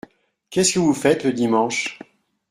Qu’est-ce que vous faites le dimanche ?